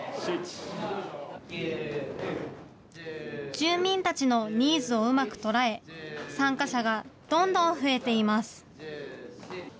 住民たちのニーズをうまく捉え、参加者がどんどん増えています。